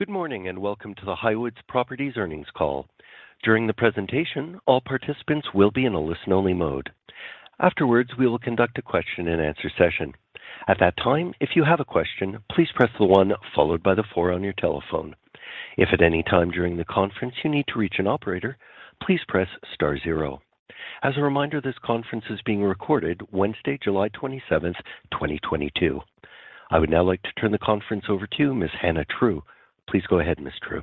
Good morning, and welcome to the Highwoods Properties Earnings Call. During the presentation, all participants will be in a listen-only mode. Afterwards, we will conduct a Q&A session. At that time, if you have a question, please press the one followed by the four on your telephone. If at any time during the conference you need to reach an operator, please press star zero. As a reminder, this conference is being recorded Wednesday, July 27th, 2022. I would now like to turn the conference over to Ms. Hannah True. Please go ahead, Ms. True.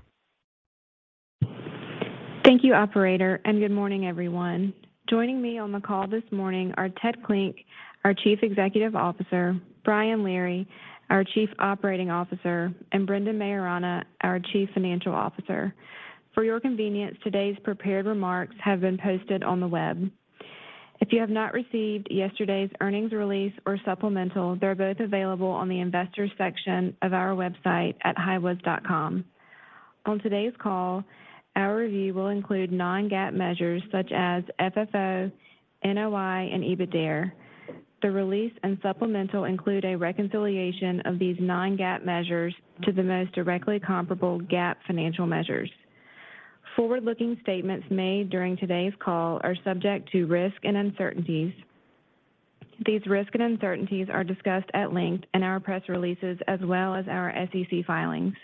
Thank you, operator, and good morning, everyone. Joining me on the call this morning are Ted Klinck, our Chief Executive Officer, Brian Leary, our Chief Operating Officer, and Brendan Maiorana, our Chief Financial Officer. For your convenience, today's prepared remarks have been posted on the web. If you have not received yesterday's earnings release or supplemental, they're both available on the investors section of our website at Highwoods.com. On today's call, our review will include non-GAAP measures such as FFO, NOI, and EBITDAre. The release and supplemental include a reconciliation of these non-GAAP measures to the most directly comparable GAAP financial measures. Forward-looking statements made during today's call are subject to risk and uncertainties. These risks and uncertainties are discussed at length in our press releases as well as our SEC filings.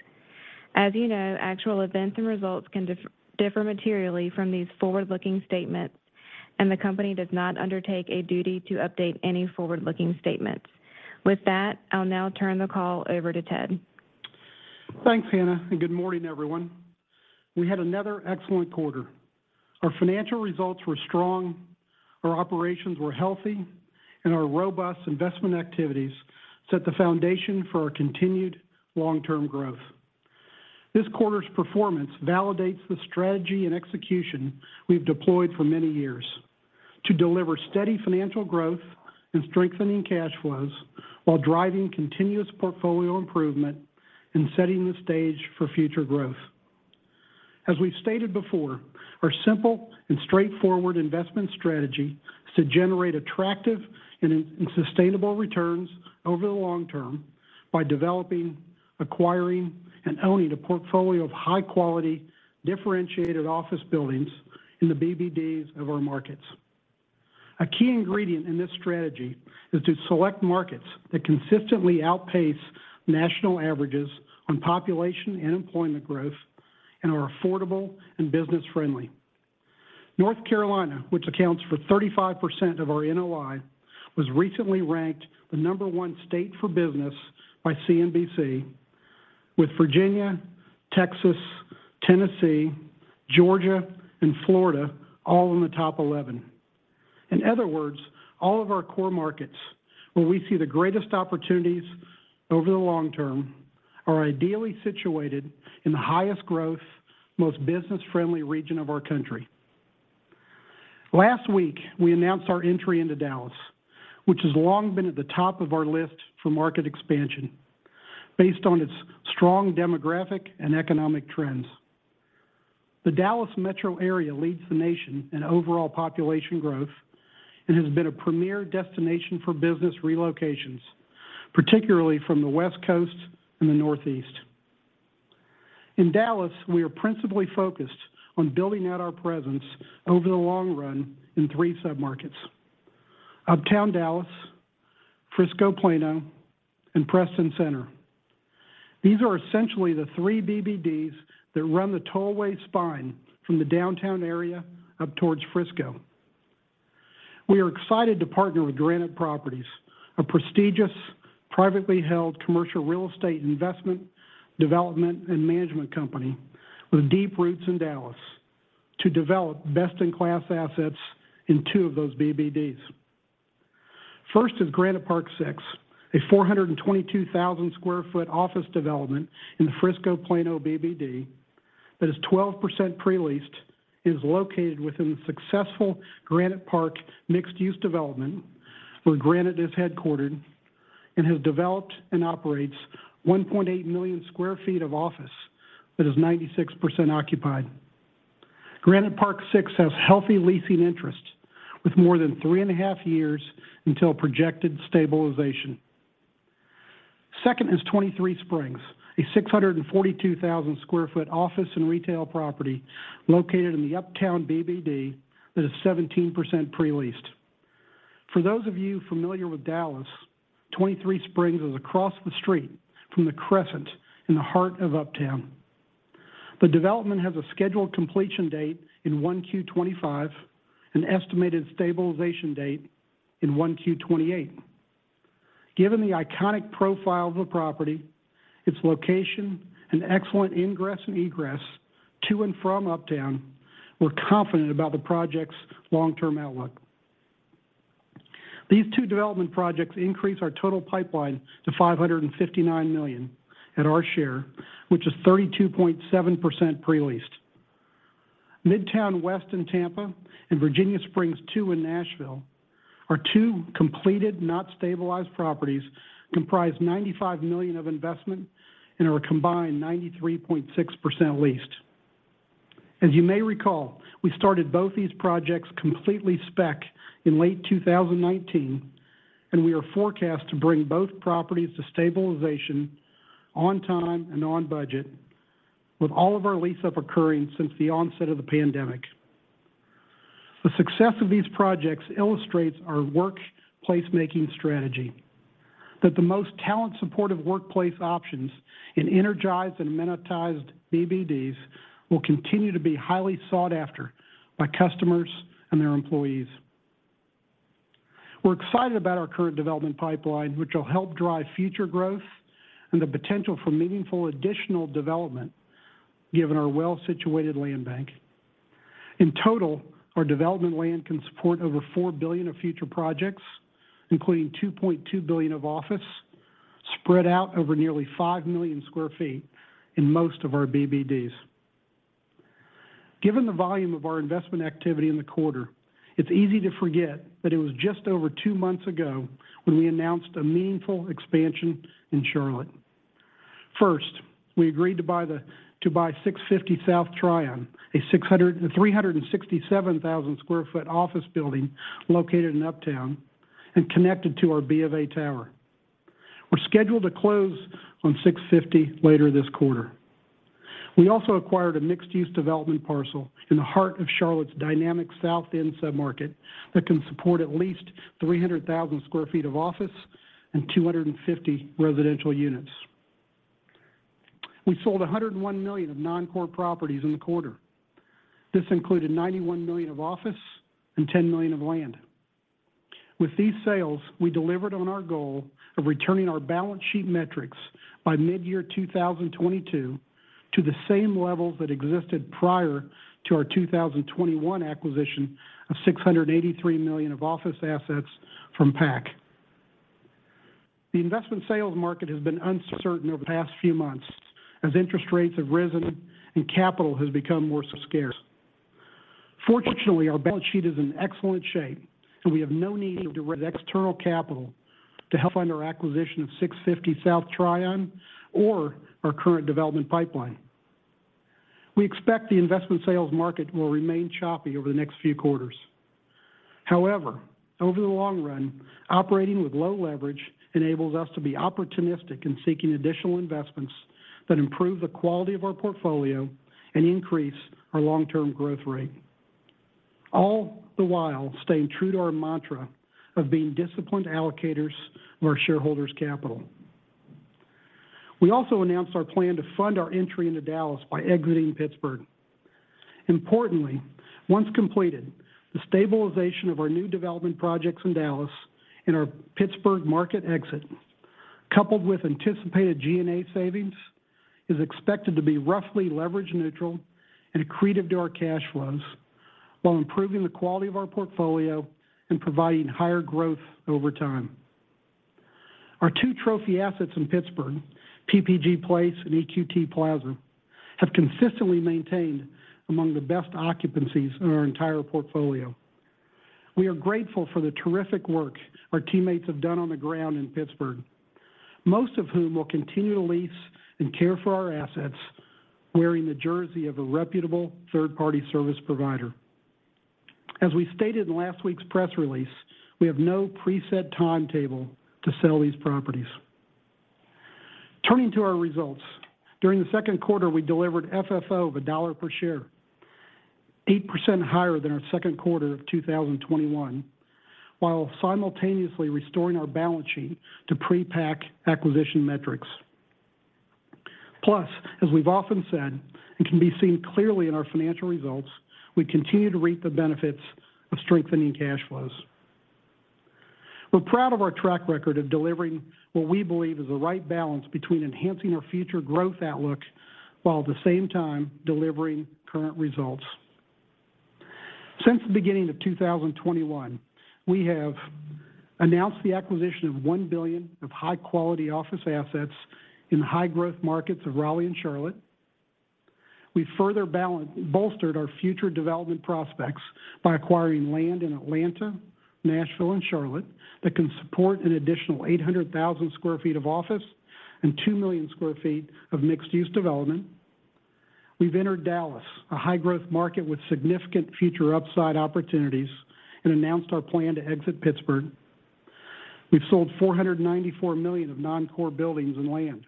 As you know, actual events and results can differ materially from these forward-looking statements, and the company does not undertake a duty to update any forward-looking statements. With that, I'll now turn the call over to Ted. Thanks, Hannah, and good morning, everyone. We had another excellent quarter. Our financial results were strong, our operations were healthy, and our robust investment activities set the foundation for our continued long-term growth. This quarter's performance validates the strategy and execution we've deployed for many years to deliver steady financial growth and strengthening cash flows while driving continuous portfolio improvement and setting the stage for future growth. As we've stated before, our simple and straightforward investment strategy is to generate attractive and sustainable returns over the long term by developing, acquiring, and owning a portfolio of high-quality, differentiated office buildings in the BBDs of our markets. A key ingredient in this strategy is to select markets that consistently outpace national averages on population and employment growth and are affordable and business-friendly. North Carolina, which accounts for 35% of our NOI, was recently ranked the number one state for business by CNBC, with Virginia, Texas, Tennessee, Georgia, and Florida all in the top 11. In other words, all of our core markets, where we see the greatest opportunities over the long term, are ideally situated in the highest growth, most business-friendly region of our country. Last week, we announced our entry into Dallas, which has long been at the top of our list for market expansion based on its strong demographic and economic trends. The Dallas metro area leads the nation in overall population growth and has been a premier destination for business relocations, particularly from the West Coast and the Northeast. In Dallas, we are principally focused on building out our presence over the long run in three sub-markets, Uptown Dallas, Frisco/Plano, and Preston Center. These are essentially the three BBDs that run the tollway spine from the downtown area up towards Frisco. We are excited to partner with Granite Properties, a prestigious, privately held commercial real estate investment, development, and management company with deep roots in Dallas to develop best-in-class assets in two of those BBDs. First is Granite Park Six, a 422,000 sq ft office development in the Frisco/Plano BBD that is 12% pre-leased and is located within the successful Granite Park mixed-use development, where Granite is headquartered and has developed and operates 1.8 million sq ft of office that is 96% occupied. Granite Park Six has healthy leasing interest with more than three and half years until projected stabilization. Second is 23Springs, a 642,000 sq ft office and retail property located in the Uptown BBD that is 17% pre-leased. For those of you familiar with Dallas, 23Springs is across the street from the Crescent in the heart of Uptown. The development has a scheduled completion date in 1Q 2025, an estimated stabilization date in 1Q 2028. Given the iconic profile of the property, its location, and excellent ingress and egress to and from Uptown, we're confident about the project's long-term outlook. These two development projects increase our total pipeline to $559 million at our share, which is 32.7% pre-leased. Midtown West in Tampa and Virginia Springs II in Nashville are two completed, not stabilized properties comprising $95 million of investment and are a combined 93.6% leased. As you may recall, we started both these projects completely spec in late 2019, and we forecast to bring both properties to stabilization on time and on budget with all of our lease-up occurring since the onset of the pandemic. The success of these projects illustrates our workplace-making strategy, that the most talent-supportive workplace options in energized and amenitized BBDs will continue to be highly sought after by customers and their employees. We're excited about our current development pipeline, which will help drive future growth and the potential for meaningful additional development given our well-situated land bank. In total, our development land can support over $4 billion of future projects, including $2.2 billion of office spread out over nearly 5 million sq ft in most of our BBDs. Given the volume of our investment activity in the quarter, it's easy to forget that it was just over two months ago when we announced a meaningful expansion in Charlotte. First, we agreed to buy 650 South Tryon, a 367,000 sq ft office building located in Uptown and connected to our Bank of America Tower. We're scheduled to close on 650 later this quarter. We also acquired a mixed-use development parcel in the heart of Charlotte's dynamic South End sub-market that can support at least 300,000 sq ft of office and 250 residential units. We sold $101 million of non-core properties in the quarter. This included $91 million of office and $10 million of land. With these sales, we delivered on our goal of returning our balance sheet metrics by mid-year 2022 to the same levels that existed prior to our 2021 acquisition of $683 million of office assets from PAC. The investment sales market has been uncertain over the past few months as interest rates have risen and capital has become more scarce. Fortunately, our balance sheet is in excellent shape, and we have no need of direct external capital to help fund our acquisition of 650 South Tryon or our current development pipeline. We expect the investment sales market will remain choppy over the next few quarters. However, over the long run, operating with low leverage enables us to be opportunistic in seeking additional investments that improve the quality of our portfolio and increase our long-term growth rate, all the while staying true to our mantra of being disciplined allocators of our shareholders' capital. We also announced our plan to fund our entry into Dallas by exiting Pittsburgh. Importantly, once completed, the stabilization of our new development projects in Dallas and our Pittsburgh market exit, coupled with anticipated G&A savings, is expected to be roughly leverage neutral and accretive to our cash flows while improving the quality of our portfolio and providing higher growth over time. Our two trophy assets in Pittsburgh, PPG Place and EQT Plaza, have consistently maintained among the best occupancies in our entire portfolio. We are grateful for the terrific work our teammates have done on the ground in Pittsburgh, most of whom will continue to lease and care for our assets wearing the jersey of a reputable third-party service provider. As we stated in last week's press release, we have no preset timetable to sell these properties. Turning to our results. During the second quarter, we delivered FFO of $1 per share, 8% higher than our second quarter of 2021, while simultaneously restoring our balance sheet to pre-PAC acquisition metrics. Plus, as we've often said, and can be seen clearly in our financial results, we continue to reap the benefits of strengthening cash flows. We're proud of our track record of delivering what we believe is the right balance between enhancing our future growth outlook while at the same time delivering current results. Since the beginning of 2021, we have announced the acquisition of $1 billion of high quality office assets in the high growth markets of Raleigh and Charlotte. We further bolstered our future development prospects by acquiring land in Atlanta, Nashville, and Charlotte that can support an additional 800,000 sq ft of office and 2 million sq ft of mixed-use development. We've entered Dallas, a high growth market with significant future upside opportunities, and announced our plan to exit Pittsburgh. We've sold $494 million of non-core buildings and land.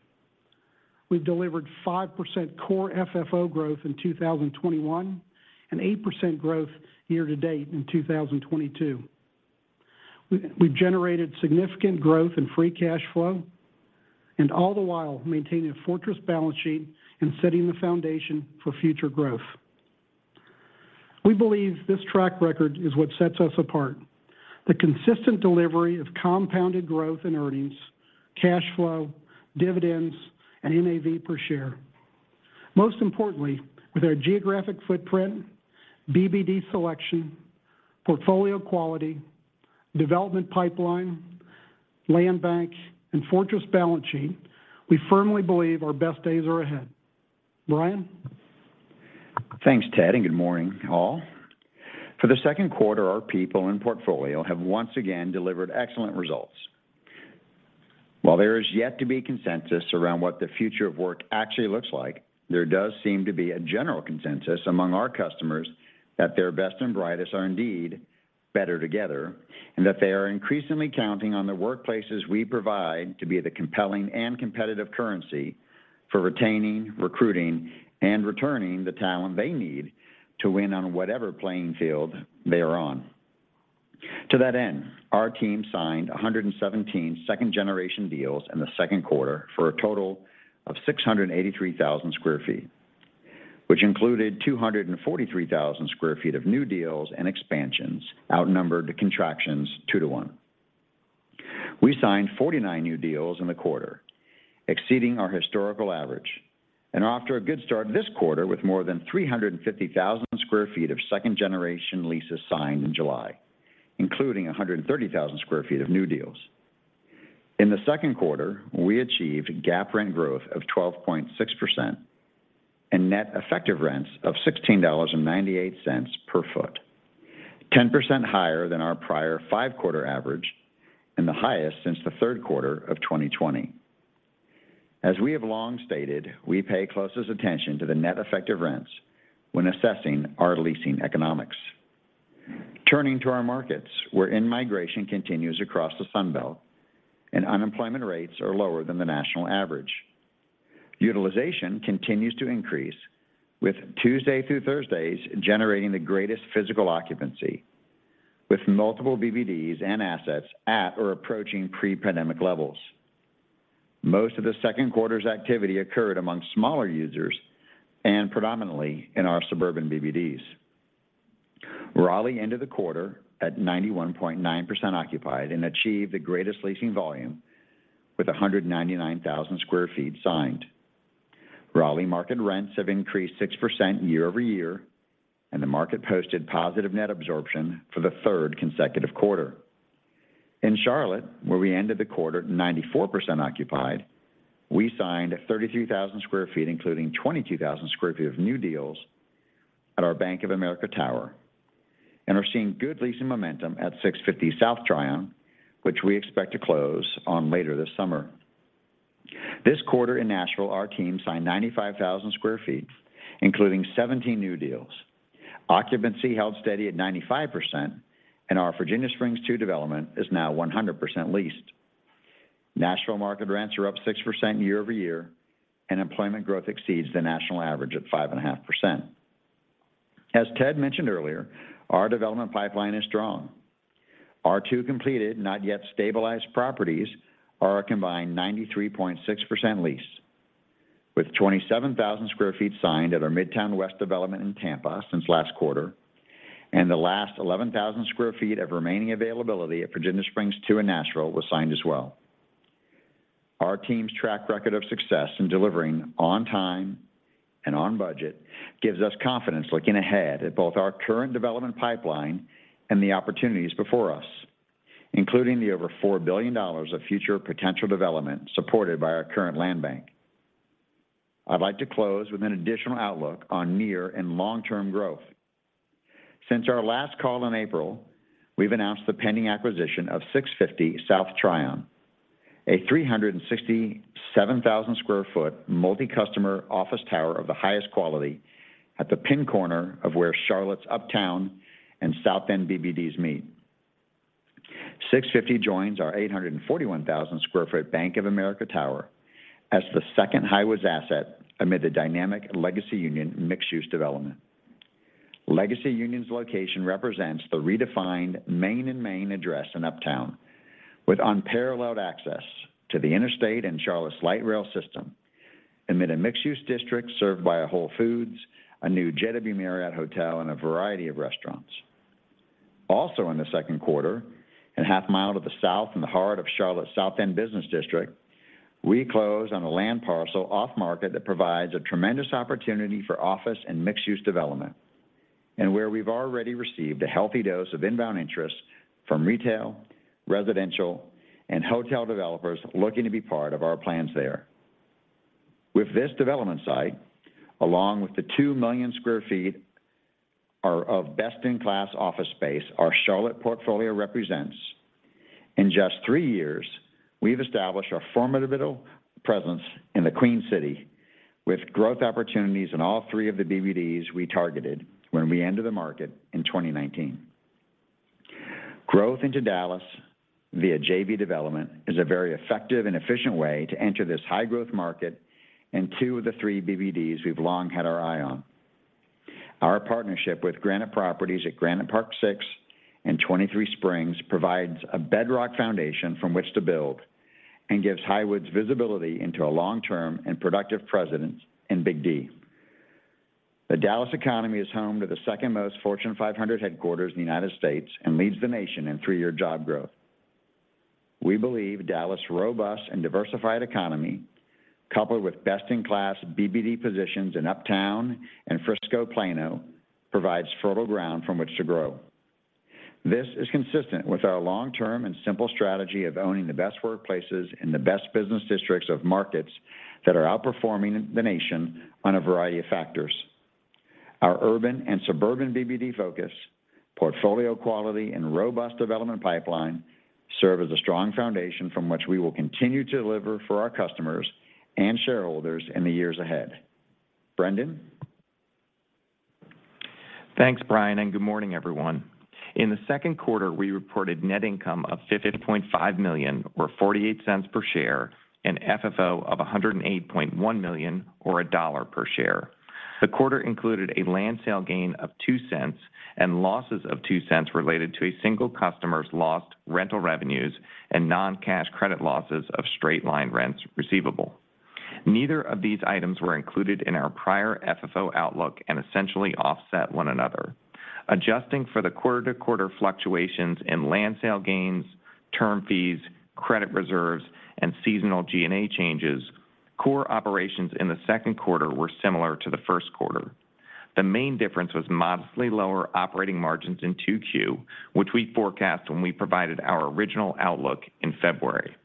We've delivered 5% core FFO growth in 2021 and 8% growth year to date in 2022. We've generated significant growth in free cash flow and all the while maintaining a fortress balance sheet and setting the foundation for future growth. We believe this track record is what sets us apart. The consistent delivery of compounded growth in earnings, cash flow, dividends, and NAV per share. Most importantly, with our geographic footprint, BBD selection, portfolio quality, development pipeline, land bank, and fortress balance sheet, we firmly believe our best days are ahead. Brian. Thanks, Ted, and good morning all. For the second quarter, our people and portfolio have once again delivered excellent results. While there is yet to be consensus around what the future of work actually looks like, there does seem to be a general consensus among our customers that their best and brightest are indeed better together, and that they are increasingly counting on the workplaces we provide to be the compelling and competitive currency for retaining, recruiting, and returning the talent they need to win on whatever playing field they are on. To that end, our team signed 117 second-generation deals in the second quarter for a total of 683,000 sq ft, which included 243,000 sq ft of new deals and expansions, outnumbered contractions two to one. We signed 49 new deals in the quarter, exceeding our historical average, and are off to a good start this quarter with more than 350,000 sq ft of second generation leases signed in July, including 130,000 sq ft of new deals. In the second quarter, we achieved GAAP rent growth of 12.6% and net effective rents of $16.98 per foot. 10% higher than our prior five-quarter average and the highest since the third quarter of 2020. As we have long stated, we pay closest attention to the net effective rents when assessing our leasing economics. Turning to our markets, where in-migration continues across the Sun Belt and unemployment rates are lower than the national average. Utilization continues to increase, with Tuesday through Thursdays generating the greatest physical occupancy, with multiple BBDs and assets at or approaching pre-pandemic levels. Most of the second quarter's activity occurred among smaller users and predominantly in our suburban BBDs. Raleigh ended the quarter at 91.9% occupied and achieved the greatest leasing volume with 199,000 sq ft signed. Raleigh market rents have increased 6% year-over-year, and the market posted positive net absorption for the third consecutive quarter. In Charlotte, where we ended the quarter 94% occupied, we signed 33,000 sq ft, including 22,000 sq ft of new deals at our Bank of America Tower, and are seeing good leasing momentum at 650 South Tryon, which we expect to close on later this summer. This quarter in Nashville, our team signed 95,000 sq ft, including 17 new deals. Occupancy held steady at 95%, and our Virginia Springs II development is now 100% leased. Nashville market rents are up 6% year-over-year, and employment growth exceeds the national average at 5.5%. As Ted mentioned earlier, our development pipeline is strong. Our two completed, not yet stabilized properties are a combined 93.6% leased, with 27,000 sq ft signed at our Midtown West development in Tampa since last quarter, and the last 11,000 sq ft of remaining availability at Virginia Springs II in Nashville was signed as well. Our team's track record of success in delivering on time and on budget gives us confidence looking ahead at both our current development pipeline and the opportunities before us, including the over $4 billion of future potential development supported by our current land bank. I'd like to close with an additional outlook on near- and long-term growth. Since our last call in April, we've announced the pending acquisition of 650 South Tryon, a 367,000-square-foot multi-customer office tower of the highest quality at the prime corner of where Charlotte's Uptown and South End BBDs meet. 650 joins our 841,000-square-foot Bank of America Tower as the second Highwoods asset amid the dynamic Legacy Union mixed-use development. Legacy Union's location represents the redefined main and main address in Uptown, with unparalleled access to the interstate and Charlotte's light rail system amid a mixed-use district served by a Whole Foods, a new JW Marriott hotel, and a variety of restaurants. Also in the second quarter, half mile to the south in the heart of Charlotte's South End business district, we closed on a land parcel off-market that provides a tremendous opportunity for office and mixed-use development, and where we've already received a healthy dose of inbound interest from retail, residential, and hotel developers looking to be part of our plans there. With this development site, along with the 2 million sq ft of best-in-class office space our Charlotte portfolio represents, in just three years, we've established a formidable presence in the Queen City with growth opportunities in all three of the BBDs we targeted when we entered the market in 2019. Growth into Dallas via JV Development is a very effective and efficient way to enter this high-growth market in two of the three BBDs we've long had our eye on. Our partnership with Granite Properties at Granite Park Six and 23Springs provides a bedrock foundation from which to build and gives Highwoods visibility into a long-term and productive presence in Big D. The Dallas economy is home to the second most Fortune 500 headquarters in the United States and leads the nation in three-year job growth. We believe Dallas' robust and diversified economy, coupled with best-in-class BBD positions in Uptown and Frisco/Plano, provides fertile ground from which to grow. This is consistent with our long-term and simple strategy of owning the best workplaces in the best business districts of markets that are outperforming the nation on a variety of factors. Our urban and suburban BBD focus, portfolio quality, and robust development pipeline serve as a strong foundation from which we will continue to deliver for our customers and shareholders in the years ahead. Brendan. Thanks, Brian, and good morning, everyone. In the second quarter, we reported net income of $50.5 million or $0.48 per share and FFO of $108.1 million or $1 per share. The quarter included a land sale gain of $0.02 and losses of $0.02 related to a single customer's lost rental revenues and non-cash credit losses of straight-line rents receivable. Neither of these items were included in our prior FFO outlook and essentially offset one another. Adjusting for the quarter-to-quarter fluctuations in land sale gains, term fees, credit reserves, and seasonal G&A changes, core operations in the second quarter were similar to the first quarter. The main difference was modestly lower operating margins in 2Q, which we forecast when we provided our original outlook in February.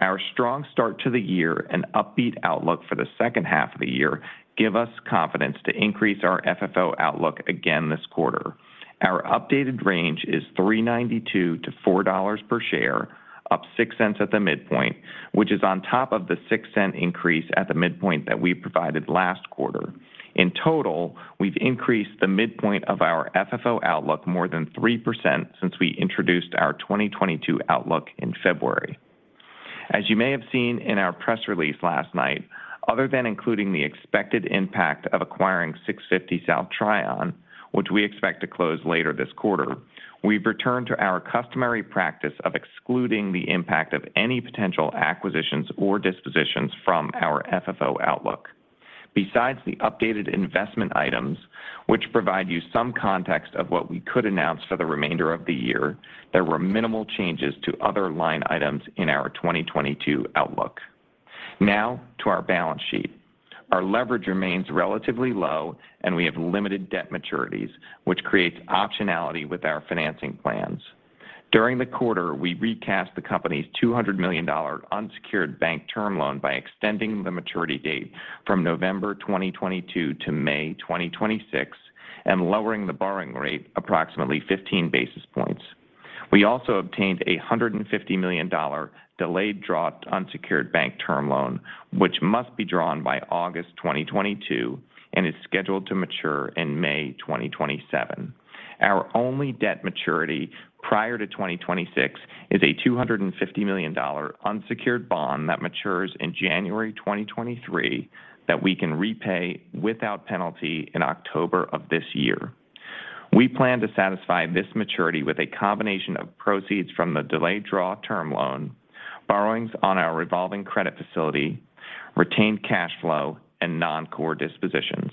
Our strong start to the year and upbeat outlook for the second half of the year give us confidence to increase our FFO outlook again this quarter. Our updated range is $3.92-$4 per share, up $0.06 At the midpoint, which is on top of the $0.06 Increase at the midpoint that we provided last quarter. In total, we've increased the midpoint of our FFO outlook more than 3% since we introduced our 2022 outlook in February. As you may have seen in our press release last night, other than including the expected impact of acquiring 650 South Tryon, which we expect to close later this quarter, we've returned to our customary practice of excluding the impact of any potential acquisitions or dispositions from our FFO outlook. Besides the updated investment items, which provide you some context of what we could announce for the remainder of the year, there were minimal changes to other line items in our 2022 outlook. Now to our balance sheet. Our leverage remains relatively low, and we have limited debt maturities, which creates optionality with our financing plans. During the quarter, we recast the company's $200 million unsecured bank term loan by extending the maturity date from November 2022 to May 2026 and lowering the borrowing rate approximately 15 basis points. We also obtained a $150 million delayed draw unsecured bank term loan, which must be drawn by August 2022 and is scheduled to mature in May 2027. Our only debt maturity prior to 2026 is a $250 million unsecured bond that matures in January 2023 that we can repay without penalty in October of this year. We plan to satisfy this maturity with a combination of proceeds from the delayed draw term loan, borrowings on our revolving credit facility, retained cash flow, and non-core dispositions.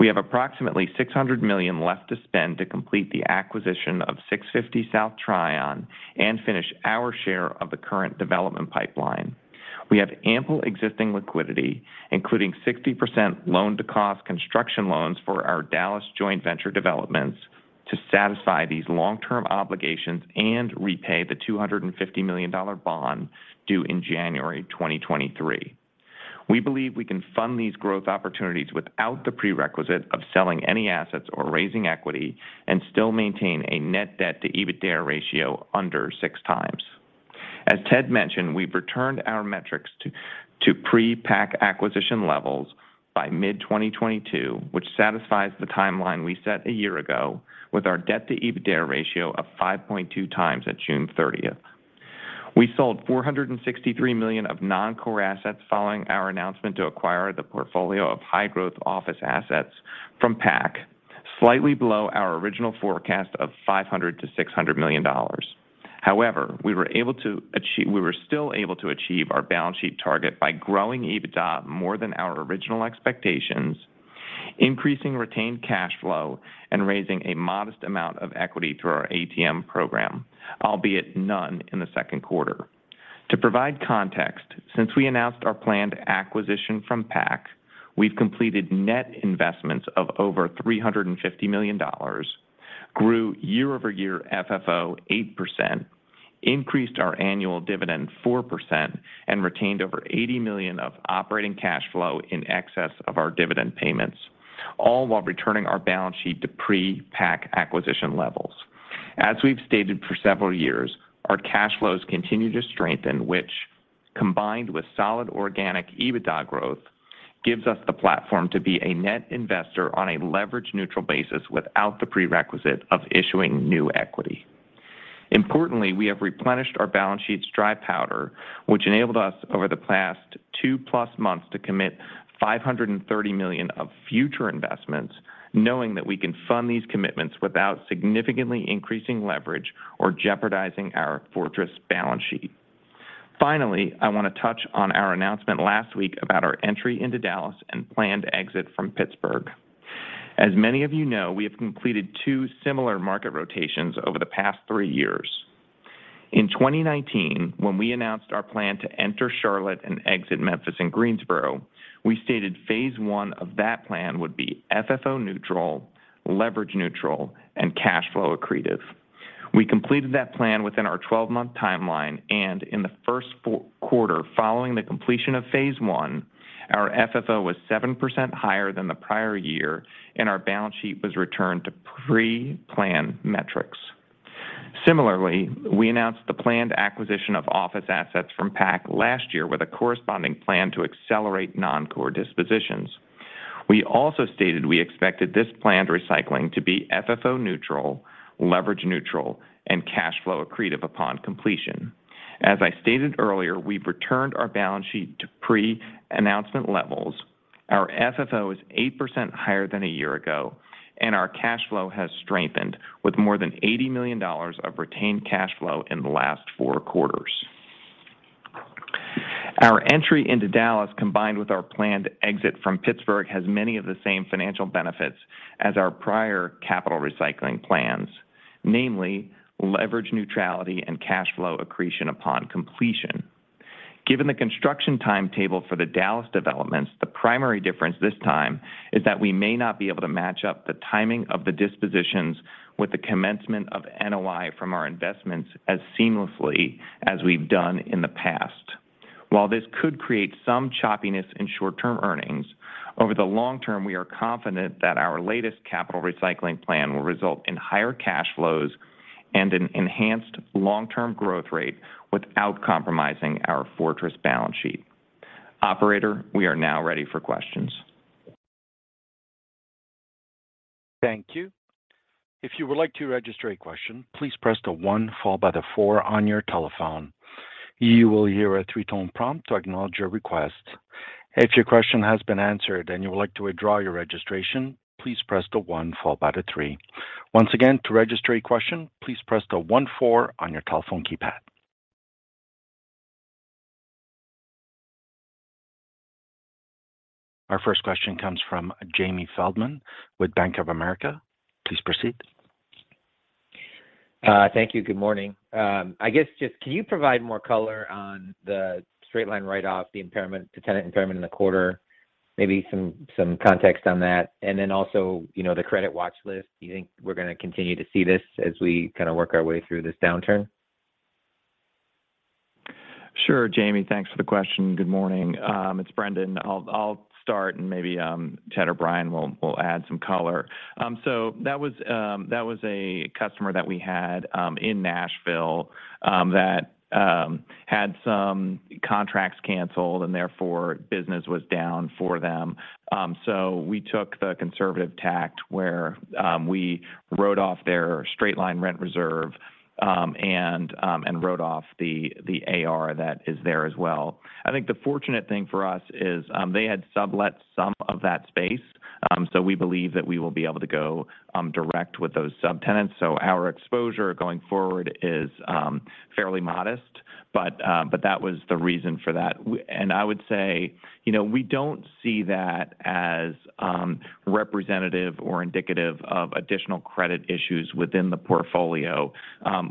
We have approximately $600 million left to spend to complete the acquisition of 650 South Tryon and finish our share of the current development pipeline. We have ample existing liquidity, including 60% loan to cost construction loans for our Dallas joint venture developments to satisfy these long-term obligations and repay the $250 million bond due in January 2023. We believe we can fund these growth opportunities without the prerequisite of selling any assets or raising equity and still maintain a net debt to EBITDA ratio under 6x. As Ted mentioned, we've returned our metrics to pre-PAC acquisition levels by mid-2022, which satisfies the timeline we set a year ago with our debt to EBITDA ratio of 5.2x at June 30. We sold $463 million of non-core assets following our announcement to acquire the portfolio of high growth office assets from PAC, slightly below our original forecast of $500 million-$600 million. However, we were still able to achieve our balance sheet target by growing EBITDA more than our original expectations, increasing retained cash flow, and raising a modest amount of equity through our ATM program, albeit none in the second quarter. To provide context, since we announced our planned acquisition from PAC, we've completed net investments of over $350 million, grew year-over-year FFO 8%, increased our annual dividend 4%, and retained over $80 million of operating cash flow in excess of our dividend payments, all while returning our balance sheet to pre-PAC acquisition levels. As we've stated for several years, our cash flows continue to strengthen, which, combined with solid organic EBITDA growth, gives us the platform to be a net investor on a leverage neutral basis without the prerequisite of issuing new equity. Importantly, we have replenished our balance sheet's dry powder, which enabled us over the past two plus months to commit $530 million of future investments, knowing that we can fund these commitments without significantly increasing leverage or jeopardizing our fortress balance sheet. Finally, I want to touch on our announcement last week about our entry into Dallas and planned exit from Pittsburgh. As many of you know, we have completed two similar market rotations over the past three years. In 2019, when we announced our plan to enter Charlotte and exit Memphis and Greensboro, we stated phase one of that plan would be FFO neutral, leverage neutral, and cash flow accretive. We completed that plan within our 12-month timeline, and in the first four quarters following the completion of phase one, our FFO was 7% higher than the prior year, and our balance sheet was returned to pre-plan metrics. Similarly, we announced the planned acquisition of office assets from PAC last year with a corresponding plan to accelerate non-core dispositions. We also stated we expected this planned recycling to be FFO neutral, leverage neutral, and cash flow accretive upon completion. As I stated earlier, we've returned our balance sheet to pre-announcement levels. Our FFO is 8% higher than a year ago, and our cash flow has strengthened with more than $80 million of retained cash flow in the last four quarters. Our entry into Dallas, combined with our planned exit from Pittsburgh, has many of the same financial benefits as our prior capital recycling plans, namely leverage neutrality and cash flow accretion upon completion. Given the construction timetable for the Dallas developments, the primary difference this time is that we may not be able to match up the timing of the dispositions with the commencement of NOI from our investments as seamlessly as we've done in the past. While this could create some choppiness in short-term earnings, over the long term, we are confident that our latest capital recycling plan will result in higher cash flows and an enhanced long-term growth rate without compromising our fortress balance sheet. Operator, we are now ready for questions. Thank you. If you would like to register a question, please press the one followed by the four on your telephone. You will hear a three-tone prompt to acknowledge your request. If your question has been answered and you would like to withdraw your registration, please press the one followed by the three. Once again, to register a question, please press the one, four on your telephone keypad. Our first question comes from Jamie Feldman with Bank of America. Please proceed. Thank you. Good morning. I guess just can you provide more color on the straight line write-off, the impairment, the tenant impairment in the quarter, maybe some context on that. Then also the credit watch list. You think we're gonna continue to see this as we kind of work our way through this downturn? Sure, Jamie. Thanks for the question. Good morning. It's Brendan. I'll start and maybe Ted or Brian will add some color. That was a customer that we had in Nashville that had some contracts canceled and therefore business was down for them. We took the conservative tack where we wrote off their straight line rent reserve and wrote off the AR that is there as well. I think the fortunate thing for us is they had sublet some of that space so we believe that we will be able to go direct with those subtenants. Our exposure going forward is fairly modest, but that was the reason for that. I would say, you know, we don't see that as representative or indicative of additional credit issues within the portfolio.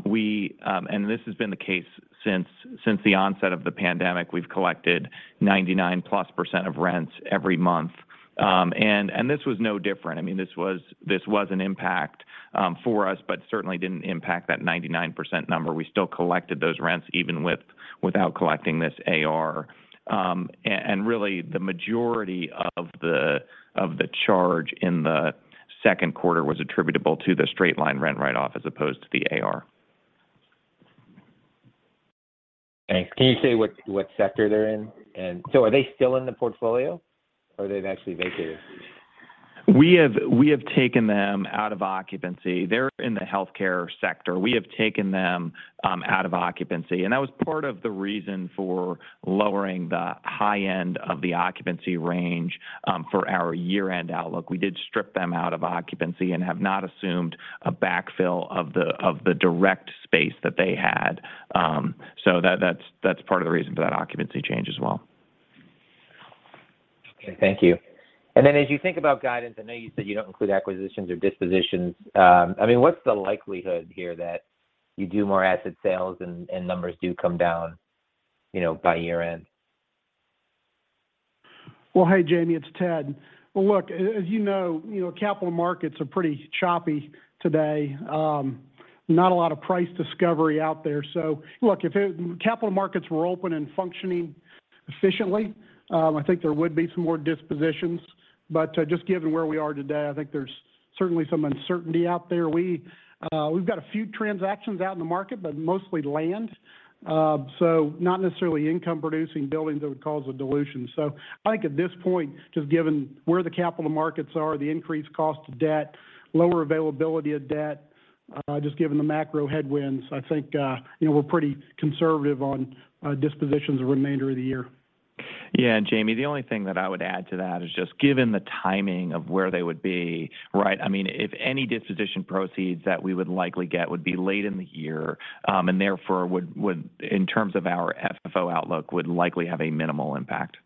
We and this has been the case since the onset of the pandemic. We've collected 99+% of rents every month. This was no different. I mean, this was an impact for us, but certainly didn't impact that 99% number. We still collected those rents even without collecting this AR. And really the majority of the charge in the second quarter was attributable to the straight line rent write-off as opposed to the AR. Thanks. Can you say what sector they're in? Are they still in the portfolio or they've actually vacated? We have taken them out of occupancy. They're in the healthcare sector. We have taken them out of occupancy, and that was part of the reason for lowering the high end of the occupancy range for our year-end outlook. We did strip them out of occupancy and have not assumed a back-fill of the direct space that they had. That's part of the reason for that occupancy change as well. Okay. Thank you. Then as you think about guidance, I know you said you don't include acquisitions or dispositions. I mean, what's the likelihood here that you do more asset sales and numbers do come down, you know, by year-end? Well, hey, Jamie, it's Ted. Well, look, as you know, you know, capital markets are pretty choppy today. Not a lot of price discovery out there. Look, if capital markets were open and functioning efficiently, I think there would be some more dispositions. But just given where we are today, I think there's certainly some uncertainty out there. We've got a few transactions out in the market, but mostly land. Not necessarily income producing buildings that would cause a dilution. I think at this point, just given where the capital markets are, the increased cost of debt, lower availability of debt, just given the macro headwinds, I think, you know, we're pretty conservative on dispositions the remainder of the year. Yeah. Jamie, the only thing that I would add to that is just given the timing of where they would be, right? I mean, if any disposition proceeds that we would likely get would be late in the year, and therefore would in terms of our FFO outlook, would likely have a minimal impact.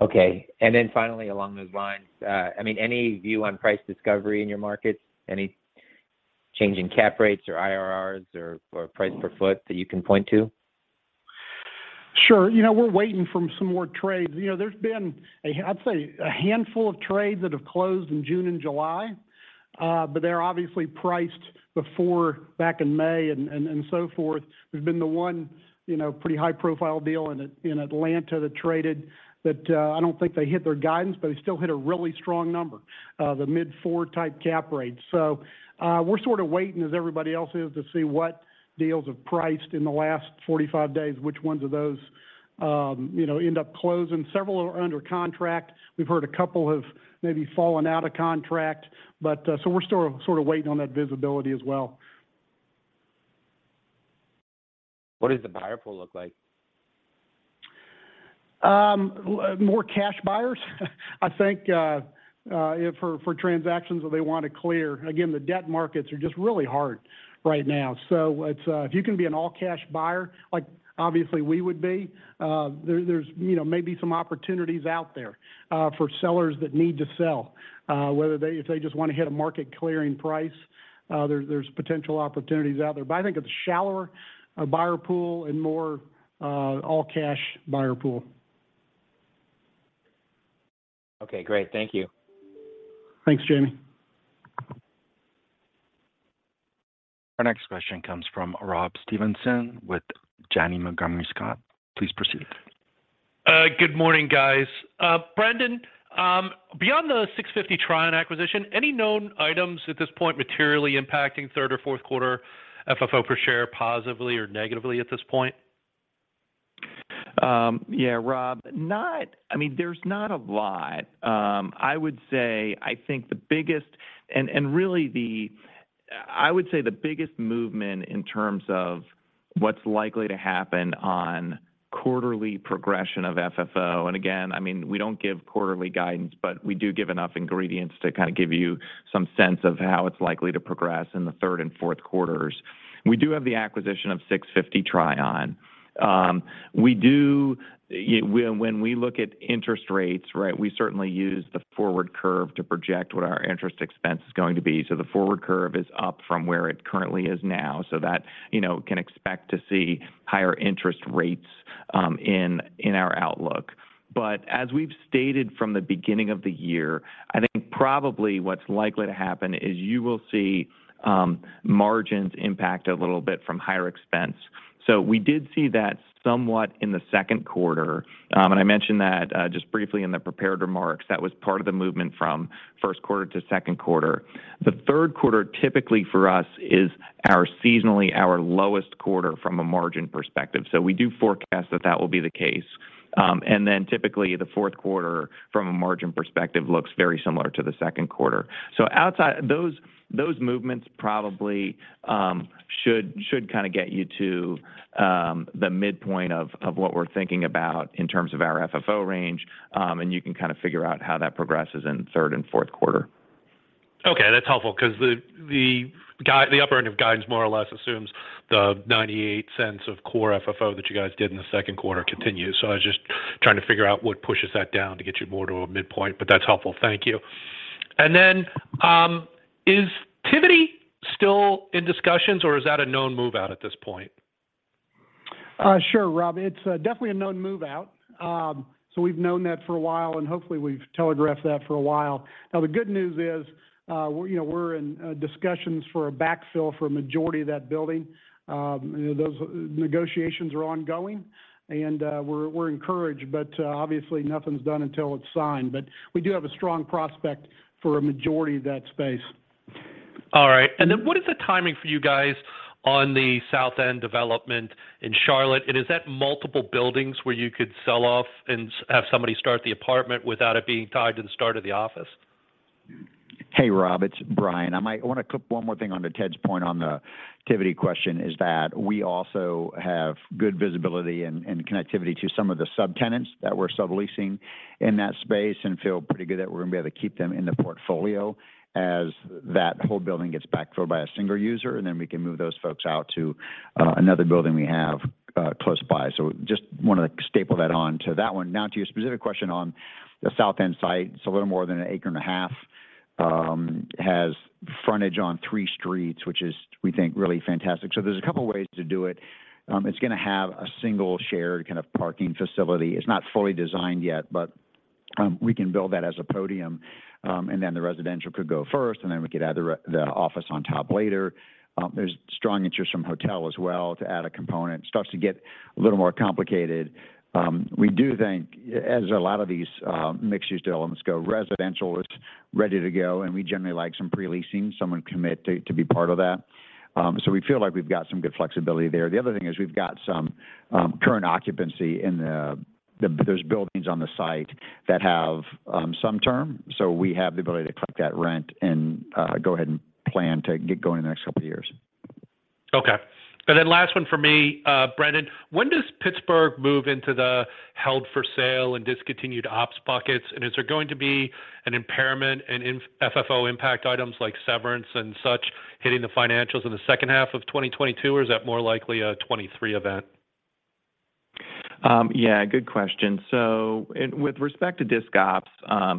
Okay. Finally, along those lines, I mean, any view on price discovery in your markets, any change in cap rates or IRRs or price per foot that you can point to? Sure. You know, we're waiting for some more trades. You know, there's been a handful of trades that have closed in June and July, but they're obviously priced back in May and so forth. There's been the one, you know, pretty high profile deal in Atlanta that traded, I don't think they hit their guidance, but they still hit a really strong number. The mid-4% cap rate. We're sort of waiting as everybody else is to see what deals have priced in the last 45 days, which ones of those, you know, end up closing. Several are under contract. We've heard a couple have maybe fallen out of contract, but. We're sort of waiting on that visibility as well. What does the buyer pool look like? More cash buyers. I think for transactions where they want to clear. Again, the debt markets are just really hard right now. If you can be an all cash buyer, like obviously we would be, there's, you know, maybe some opportunities out there for sellers that need to sell. If they just want to hit a market clearing price, there's potential opportunities out there. But I think it's a shallower buyer pool and more all cash buyer pool. Okay, great. Thank you. Thanks, Jamie. Our next question comes from Robert Stevenson with Janney Montgomery Scott. Please proceed. Good morning, guys. Brendan, beyond the 650 South Tryon acquisition, any known items at this point materially impacting third or fourth quarter FFO per share positively or negatively at this point? Yeah, Rob, I mean, there's not a lot. I would say I think the biggest movement in terms of what's likely to happen on quarterly progression of FFO. Again, I mean, we don't give quarterly guidance, but we do give enough ingredients to kind of give you some sense of how it's likely to progress in the third and fourth quarters. We do have the acquisition of 650 South Tryon. When we look at interest rates, right? We certainly use the forward curve to project what our interest expense is going to be. The forward curve is up from where it currently is now, so that you know can expect to see higher interest rates in our outlook. As we've stated from the beginning of the year, I think probably what's likely to happen is you will see margins impact a little bit from higher expense. We did see that somewhat in the second quarter. I mentioned that just briefly in the prepared remarks. That was part of the movement from first quarter to second quarter. The third quarter typically for us is our seasonally lowest quarter from a margin perspective. We do forecast that that will be the case. Typically, the fourth quarter from a margin perspective looks very similar to the second quarter. Those movements probably should kind of get you to the midpoint of what we're thinking about in terms of our FFO range. You can kind of figure out how that progresses in third and fourth quarter. Okay, that's helpful because the upper end of guidance more or less assumes the $0.98 of core FFO that you guys did in the second quarter continues. I was just trying to figure out what pushes that down to get you more to a midpoint, but that's helpful. Thank you. Is Tivity still in discussions or is that a known move-out at this point? Sure, Rob. It's definitely a known move-out. We've known that for a while, and hopefully we've telegraphed that for a while. Now, the good news is, you know, we're in discussions for a back-fill for a majority of that building. Those negotiations are ongoing and, we're encouraged, but obviously nothing's done until it's signed. We do have a strong prospect for a majority of that space. All right. What is the timing for you guys on the South End development in Charlotte? Is that multiple buildings where you could sell off and have somebody start the apartment without it being tied to the start of the office? Hey, Rob, it's Brian. I might want to clip one more thing on to Ted's point on the Tivity question. That is we also have good visibility and connectivity to some of the subtenants that we're subleasing in that space and feel pretty good that we're gonna be able to keep them in the portfolio as that whole building gets back-filled by a single user, and then we can move those folks out to another building we have close by. Just want to staple that on to that one. Now, to your specific question on the South End site, it's a little more than an acre and a half. Has frontage on three streets, which is, we think, really fantastic. There's a couple of ways to do it. It's gonna have a single shared kind of parking facility. It's not fully designed yet, but we can build that as a podium. The residential could go first, and then we could add the office on top later. There's strong interest from hotel as well to add a component. It starts to get a little more complicated. We do think as a lot of these mixed-use developments go, residential is ready to go, and we generally like some pre-leasing, someone commit to be part of that. We feel like we've got some good flexibility there. The other thing is we've got some current occupancy in those buildings on the site that have some term. We have the ability to collect that rent and go ahead and plan to get going in the next couple of years. Okay. Last one for me. Brendan, when does Pittsburgh move into the held for sale and discontinued ops buckets? Is there going to be an impairment and FFO impact items like severance and such hitting the financials in the second half of 2022 or is that more likely a 2023 event? Yeah, good question. With respect to discontinued operations,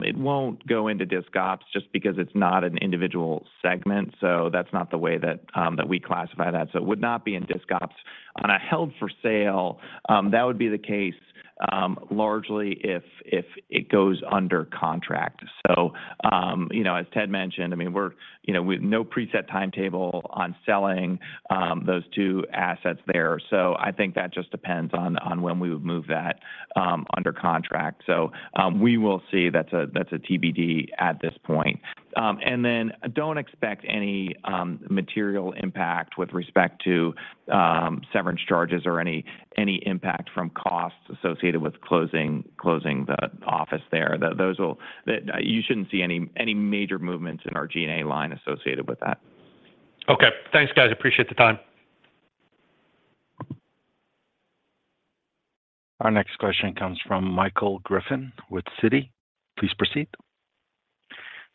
it won't go into discontinued operations just because it's not an individual segment. That's not the way that we classify that. It would not be in discontinued operations. On a held for sale, that would be the case largely if it goes under contract. You know, as Ted mentioned, I mean, we're you know, with no preset timetable on selling those two assets there. I think that just depends on when we would move that under contract. We will see. That's a TBD at this point. Don't expect any material impact with respect to severance charges or any impact from costs associated with closing the office there. You shouldn't see any major movements in our G&A line associated with that. Okay. Thanks, guys. Appreciate the time. Our next question comes from Michael Griffin with Citi. Please proceed.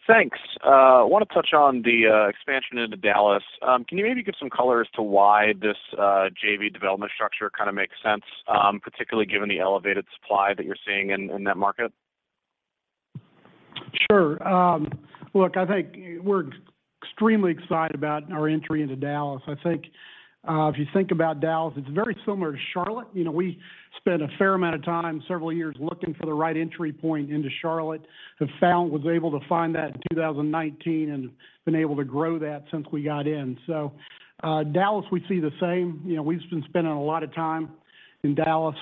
Thanks. I want to touch on the expansion into Dallas. Can you maybe give some color as to why this JV development structure kind of makes sense, particularly given the elevated supply that you're seeing in that market? Sure. Look, I think we're extremely excited about our entry into Dallas. I think, if you think about Dallas, it's very similar to Charlotte. You know, we spent a fair amount of time, several years, looking for the right entry point into Charlotte. Was able to find that in 2019 and been able to grow that since we got in. Dallas, we see the same. You know, we've been spending a lot of time in Dallas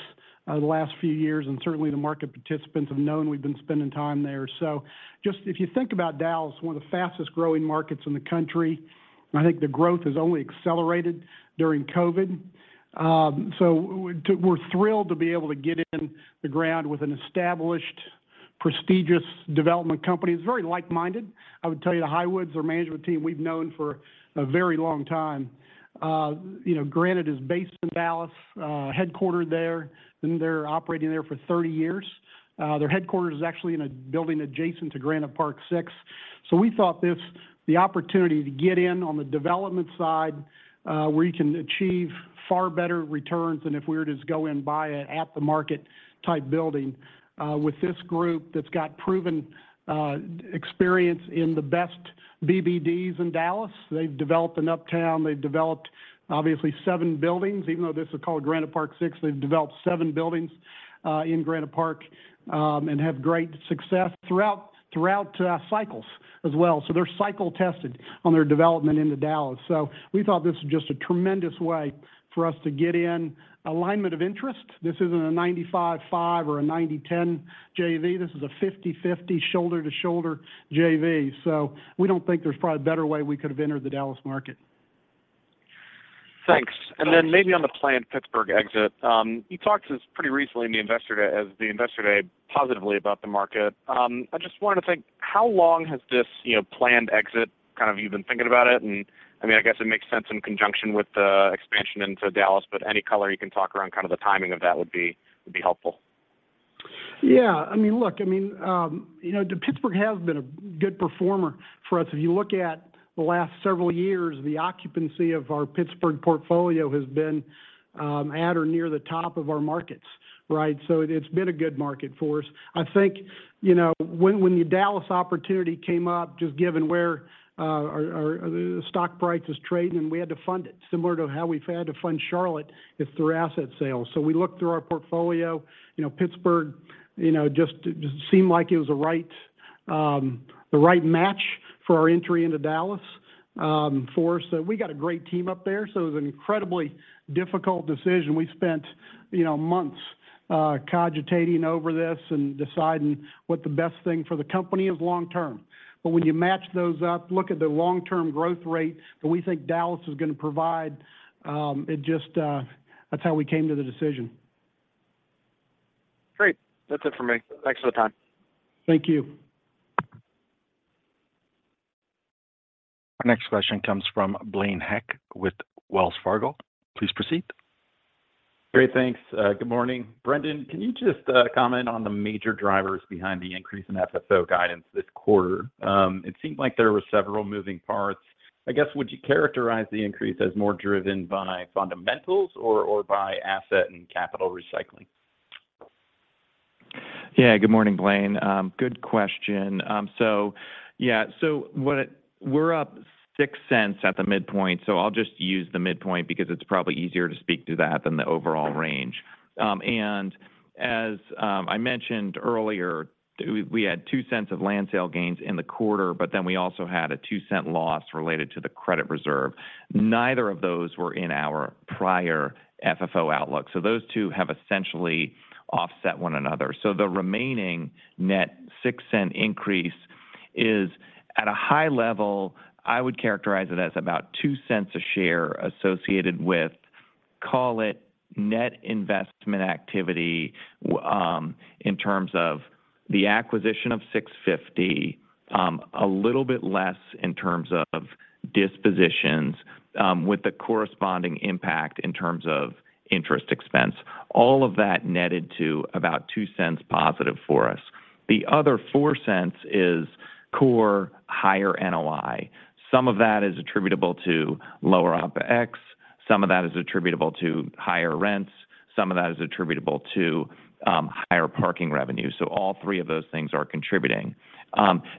over the last few years, and certainly the market participants have known we've been spending time there. Just if you think about Dallas, one of the fastest-growing markets in the country, and I think the growth has only accelerated during COVID. We're thrilled to be able to get in the ground with an established prestigious development company. It's very like-minded. I would tell you, the Highwoods, their management team, we've known for a very long time. You know, Granite is based in Dallas, headquartered there, been there operating there for 30 years. Their headquarters is actually in a building adjacent to Granite Park Six. We thought this, the opportunity to get in on the development side, where you can achieve far better returns than if we were to just go and buy an at the market type building, with this group that's got proven experience in the best BBDs in Dallas. They've developed in Uptown. They've developed obviously seven buildings. Even though this is called Granite Park Six, they've developed seven buildings in Granite Park and have great success throughout cycles as well. They're cycle tested on their development into Dallas. We thought this was just a tremendous way for us to get in alignment of interest. This isn't a 95/5 or a 90/10 JV. This is a 50-50 shoulder-to-shoulder JV. We don't think there's probably a better way we could have entered the Dallas market. Thanks. Then maybe on the planned Pittsburgh exit, you talked to us pretty recently in the investor day positively about the market. I just wanted to think, how long has this, you know, planned exit kind of you've been thinking about it? I mean, I guess it makes sense in conjunction with the expansion into Dallas, but any color you can talk around kind of the timing of that would be helpful. Yeah, I mean, look, I mean, you know, Pittsburgh has been a good performer for us. If you look at the last several years, the occupancy of our Pittsburgh portfolio has been at or near the top of our markets, right? It's been a good market for us. I think, you know, when the Dallas opportunity came up, just given where our stock price was trading, and we had to fund it similar to how we've had to fund Charlotte, it's through asset sales. We looked through our portfolio. You know, Pittsburgh, you know, just seemed like it was the right match for our entry into Dallas, for us. We got a great team up there, so it was an incredibly difficult decision. We spent, you know, months cogitating over this and deciding what the best thing for the company is long term. When you match those up, look at the long term growth rate that we think Dallas is going to provide, it just, that's how we came to the decision. Great. That's it for me. Thanks for the time. Thank you. Our next question comes from Blaine Heck with Wells Fargo. Please proceed. Great. Thanks. Good morning. Brendan, can you just comment on the major drivers behind the increase in FFO guidance this quarter? It seemed like there were several moving parts. I guess, would you characterize the increase as more driven by fundamentals or by asset and capital recycling? Good morning, Blaine. Good question. We're up $0.06 at the midpoint, so I'll just use the midpoint because it's probably easier to speak to that than the overall range. As I mentioned earlier, we had $0.02 of land sale gains in the quarter, but then we also had a $0.02 loss related to the credit reserve. Neither of those were in our prior FFO outlook. Those two have essentially offset one another. The remaining net $0.06 increase is at a high level. I would characterize it as about $0.02 per share associated with, call it net investment activity, in terms of the acquisition of 650 South Tryon, a little bit less in terms of dispositions, with the corresponding impact in terms of interest expense. All of that netted to about $0.02 positive for us. The other $0.04 is core higher NOI. Some of that is attributable to lower OPEX. Some of that is attributable to higher rents. Some of that is attributable to higher parking revenue. All three of those things are contributing.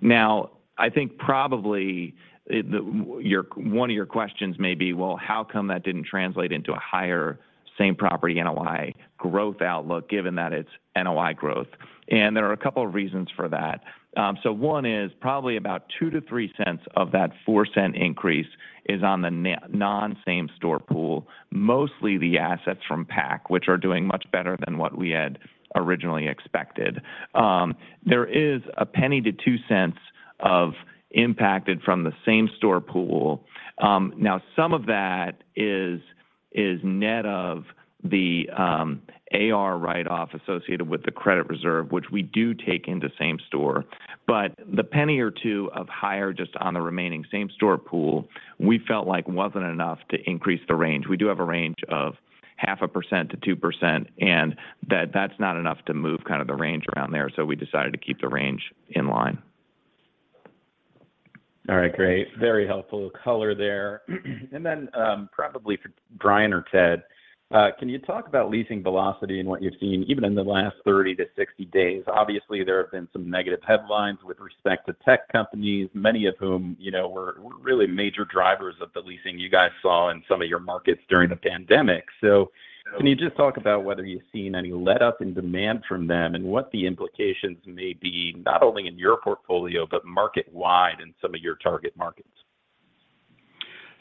Now I think probably one of your questions may be, well, how come that didn't translate into a higher same-property NOI growth outlook given that it's NOI growth. There are a couple of reasons for that. One is probably about $0.02-$0.03 of that $0.04 increase is on the non-same store pool, mostly the assets from PAC, which are doing much better than what we had originally expected. There is $0.01-$0.02 impacted from the same-store pool. Now some of that is net of the AR write-off associated with the credit reserve, which we do take into same store. The penny or two of higher just on the remaining same-store pool, we felt like wasn't enough to increase the range. We do have a range of 0.5%-2%, and that's not enough to move kind of the range around there. We decided to keep the range in line. All right, great. Very helpful color there. Probably for Brian or Ted, can you talk about leasing velocity and what you've seen even in the last 30-60 days? Obviously, there have been some negative headlines with respect to tech companies, many of whom, you know, were really major drivers of the leasing you guys saw in some of your markets during the pandemic. Can you just talk about whether you've seen any letup in demand from them and what the implications may be, not only in your portfolio, but market wide in some of your target markets?